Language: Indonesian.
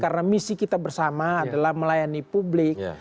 karena misi kita bersama adalah melayani publik